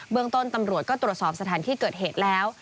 เมืองต้นตำรวจก็ตรวจสอบสถานที่เกิดเหตุแล้ว